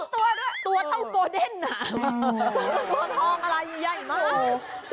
คือตัวด้วยตัวเท่าโกเด้นอ่ะตัวทองอะไรใหญ่ใหญ่มากโอ้โห